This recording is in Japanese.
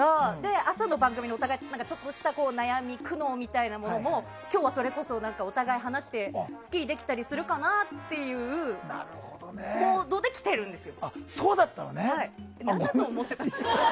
朝の番組でお互いちょっとした悩み苦悩みたいなものも今日はそれこそ、お互い話してスッキリできたりするかなというモードで来ているんですよ。